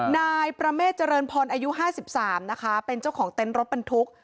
นายประเมฆเจริญพรอายุ๕๓นะคะเป็นเจ้าของเต็นต์รถบรรทุก